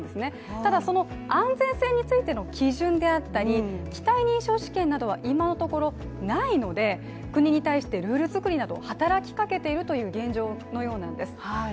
ただ、安全性についての基準であったり機体認証試験などは今のところないので国に対してルール作りなどを働きかけている現状のようなんです。